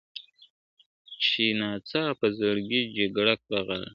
چي ناڅاپه زرکي جګه کړله غاړه ,